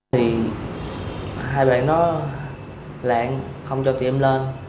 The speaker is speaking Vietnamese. thì hai bạn đó lãng không cho tiến lên